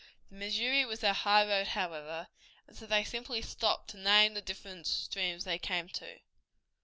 The Missouri was their highroad, however, and so they simply stopped to name the different streams they came to.